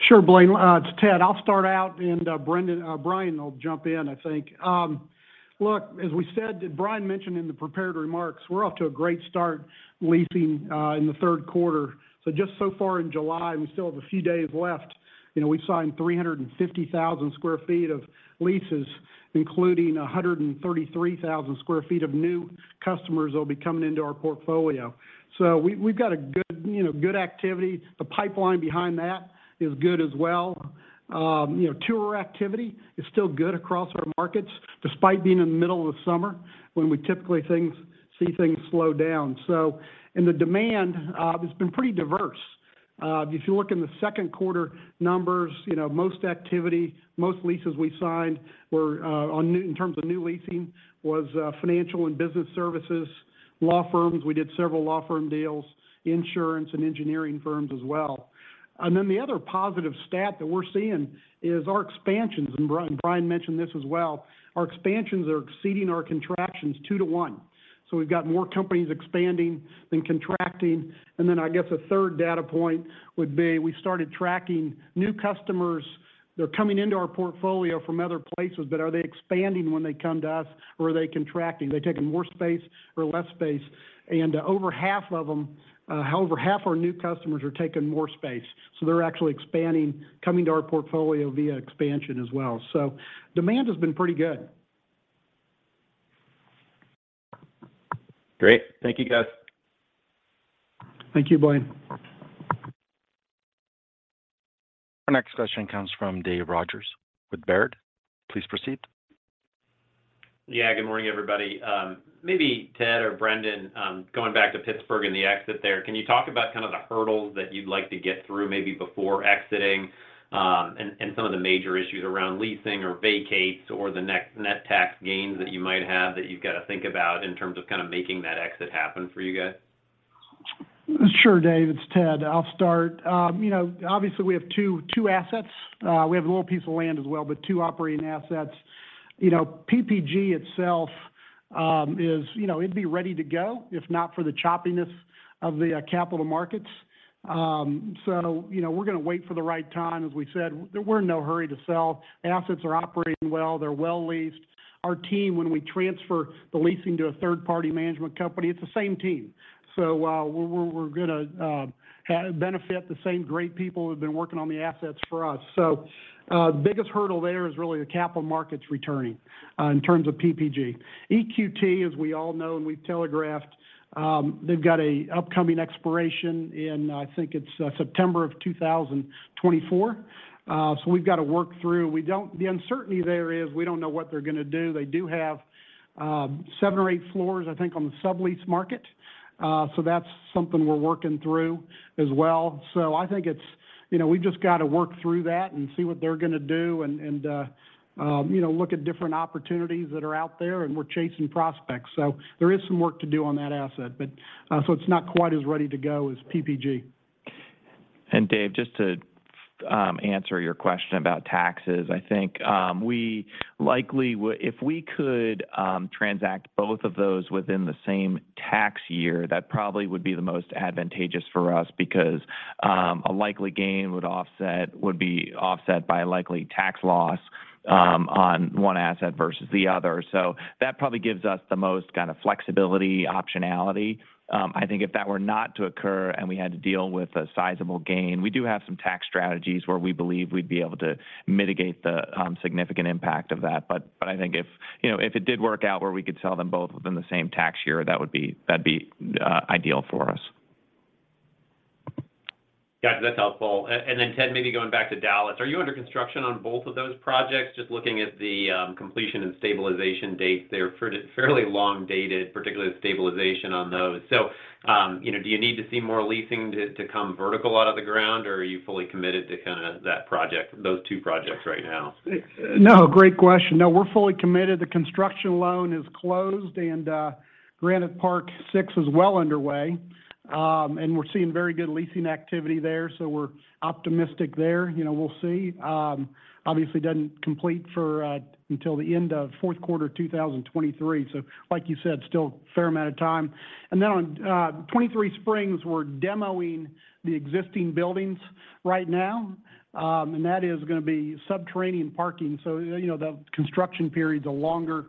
Sure, Blaine. It's Ted. I'll start out, and Brendan, Brian will jump in, I think. Look, as we said, Brian mentioned in the prepared remarks, we're off to a great start leasing in the third quarter. Just so far in July, we still have a few days left. You know, we've signed 350,000 sq ft of leases, including 133,000 sq ft of new customers that'll be coming into our portfolio. We've got a good, you know, activity. The pipeline behind that is good as well. You know, tour activity is still good across our markets, despite being in the middle of summer when we typically see things slow down. The demand, it's been pretty diverse. If you look in the second quarter numbers, you know, most activity, most leases we signed were in terms of new leasing was financial and business services, law firms. We did several law firm deals, insurance and engineering firms as well. Then the other positive stat that we're seeing is our expansions. Brian mentioned this as well. Our expansions are exceeding our contractions two to one. We've got more companies expanding than contracting. Then I guess a third data point would be we started tracking new customers that are coming into our portfolio from other places, but are they expanding when they come to us or are they contracting? Are they taking more space or less space? Over half of them, over half our new customers are taking more space. They're actually expanding, coming to our portfolio via expansion as well. Demand has been pretty good. Great. Thank you, guys. Thank you, Blaine. Our next question comes from David Rodgers with Baird. Please proceed. Yeah, good morning, everybody. Maybe Ted or Brendan, going back to Pittsburgh and the exit there, can you talk about kind of the hurdles that you'd like to get through maybe before exiting, and some of the major issues around leasing or vacancies or the net net tax gains that you might have that you've got to think about in terms of kind of making that exit happen for you guys? Sure, Dave, it's Ted. I'll start. You know, obviously we have two assets. We have a little piece of land as well, but two operating assets. You know, PPG itself is, you know, it'd be ready to go if not for the choppiness of the capital markets. You know, we're gonna wait for the right time. As we said, we're in no hurry to sell. Assets are operating well. They're well leased. Our team, when we transfer the leasing to a third-party management company, it's the same team. We're gonna benefit the same great people who've been working on the assets for us. Biggest hurdle there is really the capital markets returning in terms of PPG. EQT, as we all know, and we've telegraphed, they've got an upcoming expiration in, I think it's, September 2024. We've got to work through. The uncertainty there is we don't know what they're gonna do. They do have seven or eight floors, I think, on the sublease market. That's something we're working through as well. I think it's, you know, we've just got to work through that and see what they're gonna do and you know, look at different opportunities that are out there, and we're chasing prospects. There is some work to do on that asset. It's not quite as ready to go as PPG. Dave, just to answer your question about taxes. I think we likely would if we could transact both of those within the same tax year, that probably would be the most advantageous for us because a likely gain would be offset by a likely tax loss on one asset versus the other. So that probably gives us the most kind of flexibility, optionality. I think if that were not to occur and we had to deal with a sizable gain, we do have some tax strategies where we believe we'd be able to mitigate the significant impact of that. But I think if, you know, if it did work out where we could sell them both within the same tax year, that'd be ideal for us. Gotcha. That's helpful. And then Ted, maybe going back to Dallas, are you under construction on both of those projects? Just looking at the completion and stabilization dates, they're fairly long dated, particularly the stabilization on those. You know, do you need to see more leasing to come vertical out of the ground, or are you fully committed to kind of that project, those two projects right now? No. Great question. No, we're fully committed. The construction loan is closed, and Granite Park Six is well underway. We're seeing very good leasing activity there, so we're optimistic there. You know, we'll see. Obviously doesn't complete until the end of fourth quarter 2023. Like you said, still a fair amount of time. On 23Springs, we're demoing the existing buildings right now. That is gonna be subterranean parking, so you know, the construction period's a longer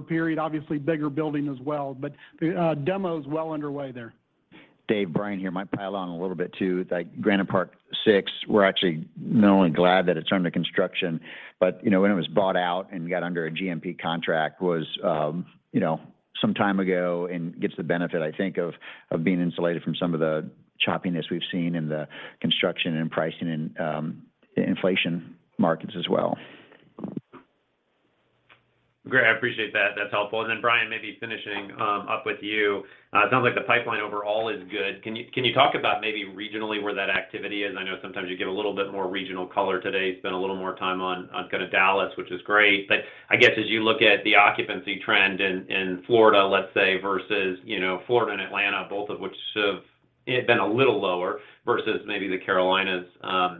period, obviously bigger building as well. The demo is well underway there. Dave, Brian here. Might pile on a little bit too. Like, Granite Park Six, we're actually not only glad that it's under construction, but, you know, when it was bought out and got under a GMP contract was, you know, some time ago and gets the benefit, I think, of being insulated from some of the choppiness we've seen in the construction and pricing and, inflation markets as well. Great. I appreciate that. That's helpful. Brian, maybe finishing up with you. It sounds like the pipeline overall is good. Can you talk about maybe regionally where that activity is? I know sometimes you give a little bit more regional color today, spend a little more time on kind of Dallas, which is great. I guess as you look at the occupancy trend in Florida, let's say, versus, you know, Florida and Atlanta, both of which have been a little lower versus maybe the Carolinas,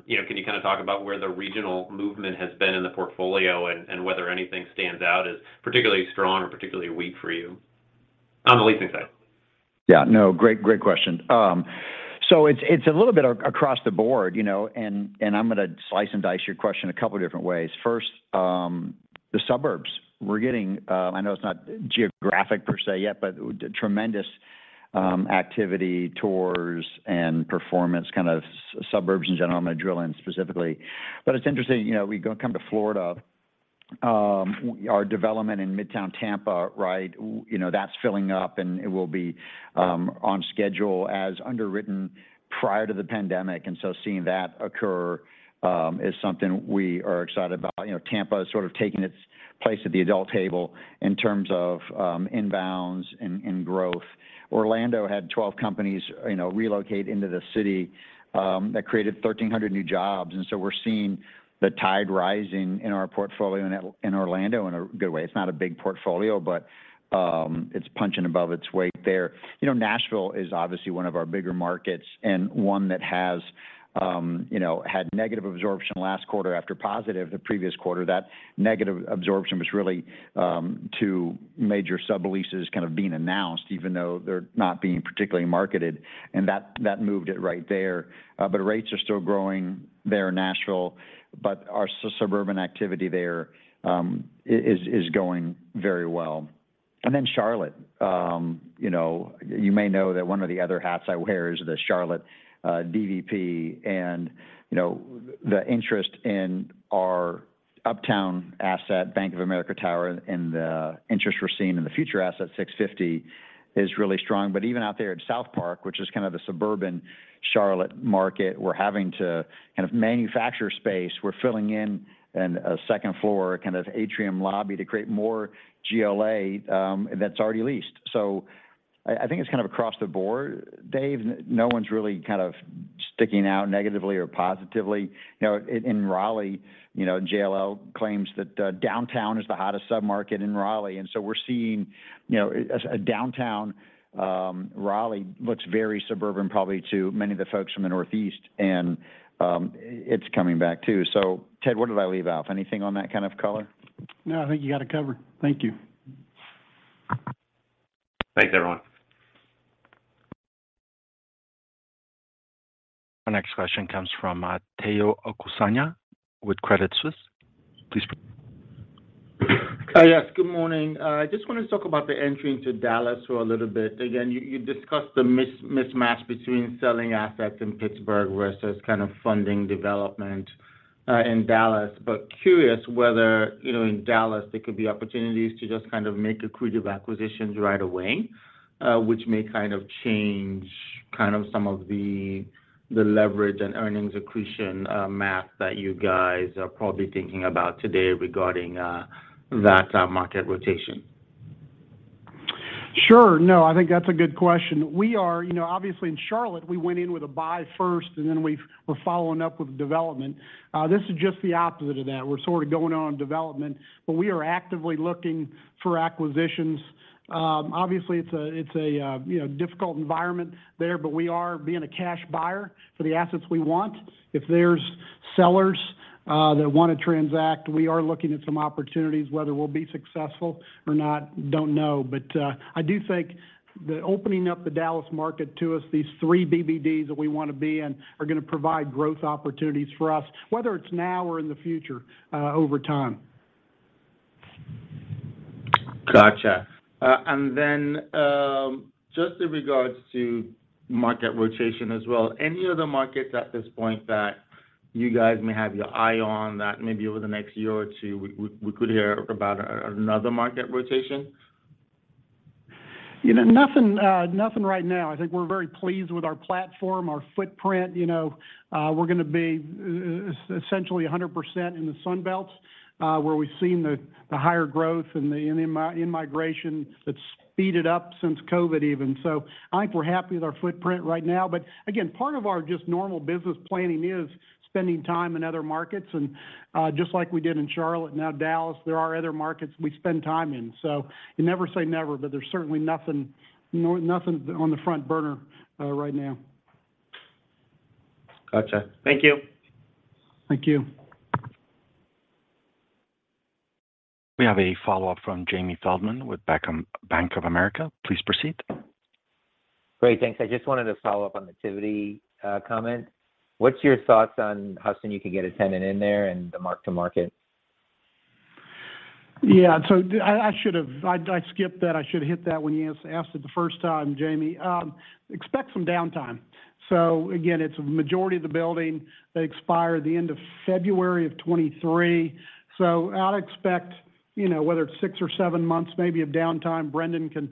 you know, can you kind of talk about where the regional movement has been in the portfolio and whether anything stands out as particularly strong or particularly weak for you on the leasing side? Yeah. No, great question. So it's a little bit across the board, you know, and I'm gonna slice and dice your question a couple different ways. First, the suburbs. We're getting, I know it's not geographic per se yet, but tremendous activity, tours, and performance kind of suburbs in general. I'm gonna drill in specifically. It's interesting, you know, we come to Florida, our development in Midtown Tampa, right, you know, that's filling up, and it will be on schedule as underwritten prior to the pandemic. Seeing that occur is something we are excited about. You know, Tampa is sort of taking its place at the adult table in terms of inbounds and growth. Orlando had 12 companies, you know, relocate into the city that created 1,300 new jobs. We're seeing the tide rising in our portfolio in Orlando in a good way. It's not a big portfolio, but it's punching above its weight there. You know, Nashville is obviously one of our bigger markets and one that has, you know, had negative absorption last quarter after positive the previous quarter. That negative absorption was really two major subleases kind of being announced, even though they're not being particularly marketed, and that moved it right there. Rates are still growing there in Nashville, but our suburban activity there is going very well. Charlotte, you know, you may know that one of the other hats I wear is the Charlotte DVP. You know, the interest in our uptown asset, Bank of America Tower, and the interest we're seeing in the future asset, 650, is really strong. But even out there at South Park, which is kind of the suburban Charlotte market, we're having to kind of manufacture space. We're filling in a second floor, a kind of atrium lobby to create more GLA, that's already leased. I think it's kind of across the board, Dave. No one's really kind of sticking out negatively or positively. You know, in Raleigh, you know, JLL claims that downtown is the hottest sub-market in Raleigh. We're seeing, you know, as a downtown Raleigh looks very suburban probably to many of the folks from the Northeast, and it's coming back too. Ted, what did I leave out? Anything on that kind of color? No, I think you got it covered. Thank you. Thanks, everyone. Our next question comes from Omotayo Okusanya with Credit Suisse. Please proceed. Yes. Good morning. I just want to talk about the entry into Dallas for a little bit. Again, you discussed the mismatch between selling assets in Pittsburgh versus kind of funding development in Dallas. Curious whether, you know, in Dallas, there could be opportunities to just kind of make accretive acquisitions right away, which may kind of change kind of some of the leverage and earnings accretion math that you guys are probably thinking about today regarding that market rotation. Sure. No, I think that's a good question. We are, you know, obviously in Charlotte, we went in with a buy first, and then we're following up with development. This is just the opposite of that. We're sort of going on development, but we are actively looking for acquisitions. Obviously, it's a difficult environment there, but we are being a cash buyer for the assets we want. If there's sellers that wanna transact, we are looking at some opportunities. Whether we'll be successful or not, don't know. But I do think the opening up the Dallas market to us, these three BBDs that we wanna be in, are gonna provide growth opportunities for us, whether it's now or in the future, over time. Gotcha. Just in regards to market rotation as well, any other markets at this point that you guys may have your eye on that maybe over the next year or two we could hear about another market rotation? You know, nothing right now. I think we're very pleased with our platform, our footprint. You know, we're gonna be essentially 100% in the Sun Belt, where we've seen the higher growth and the in-migration that's speeded up since COVID even. I think we're happy with our footprint right now. Again, part of our just normal business planning is spending time in other markets. Just like we did in Charlotte, now Dallas, there are other markets we spend time in. You never say never, but there's certainly nothing on the front burner right now. Gotcha. Thank you. Thank you. We have a follow-up from Jamie Feldman with Bank of America. Please proceed. Great. Thanks. I just wanted to follow up on the Tivity comment. What's your thoughts on how soon you can get a tenant in there and the mark-to-market? Yeah. I should have skipped that. I should hit that when you asked it the first time, Jamie. Expect some downtime. It's a majority of the building. They expire at the end of February 2023. I'd expect, you know, whether it's six or seven months maybe of downtime. Brendan can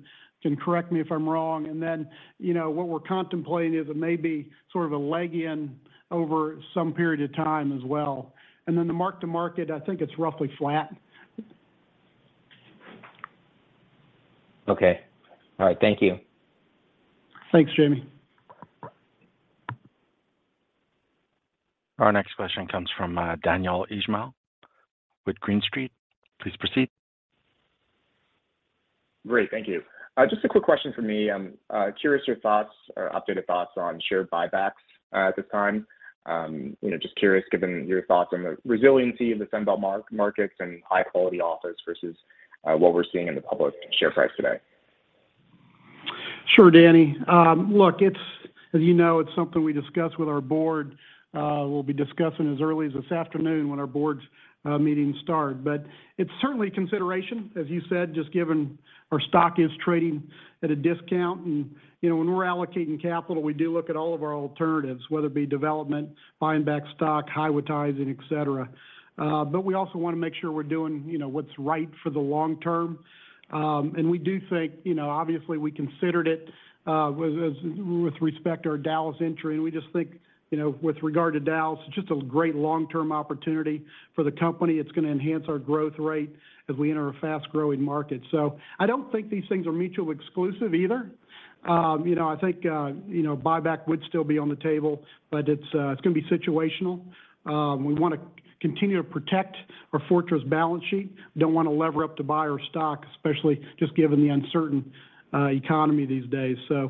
correct me if I'm wrong. What we're contemplating is maybe sort of a leasing over some period of time as well. The mark-to-market, I think it's roughly flat. Okay. All right. Thank you. Thanks, Jamie. Our next question comes from, Daniel Ismail with Green Street. Please proceed. Great. Thank you. Just a quick question from me. Curious your thoughts or updated thoughts on share buybacks at this time. You know, just curious, given your thoughts on the resiliency of the Sun Belt markets and high quality office versus what we're seeing in the public share price today. Sure, Daniel. Look, as you know, it's something we discuss with our board. We'll be discussing as early as this afternoon when our board's meetings start. It's certainly a consideration, as you said, just given our stock is trading at a discount. You know, when we're allocating capital, we do look at all of our alternatives, whether it be development, buying back stock, highwoodizing, et cetera. We also want to make sure we're doing, you know, what's right for the long term. We do think you know, obviously, we considered it with respect to our Dallas entry. We just think, you know, with regard to Dallas, it's just a great long-term opportunity for the company. It's gonna enhance our growth rate as we enter a fast-growing market. I don't think these things are mutually exclusive either. You know, I think, you know, buyback would still be on the table, but it's gonna be situational. We wanna continue to protect our fortress balance sheet. Don't wanna lever up to buy our stock, especially just given the uncertain, economy these days. You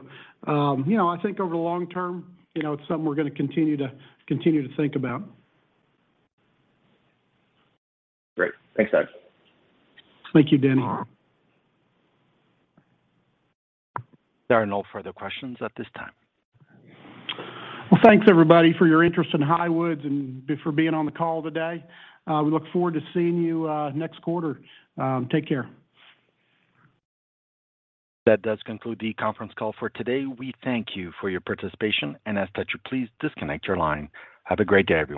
know, I think over the long term, you know, it's something we're gonna continue to think about. Great. Thanks, Ted. Thank you, Daniel. There are no further questions at this time. Well, thanks everybody for your interest in Highwoods and for being on the call today. We look forward to seeing you, next quarter. Take care. That does conclude the conference call for today. We thank you for your participation and ask that you please disconnect your line. Have a great day, everyone.